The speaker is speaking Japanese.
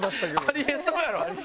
あり得そうやろ。